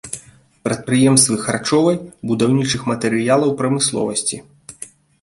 Прадпрыемствы харчовай, будаўнічых матэрыялаў прамысловасці.